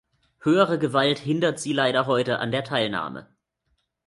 Höhere Gewalt hindert sie leider heute an der Teilnahme.